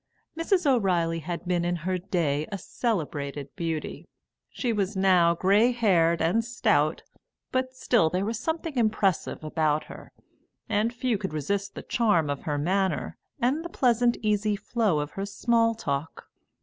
Mrs. O'Reilly had been in her day a celebrated beauty; she was now grey haired and stout, but still there was something impressive about her, and few could resist the charm of her manner and the pleasant easy flow of her small talk.